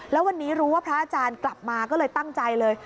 แล้ววันนี้รู้ว่าพระอาจารย์กลับมาก็เลยตั้งใจเลย